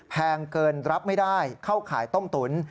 แพงเกินรับไม่ได้เข้าขายต้มตุ๋น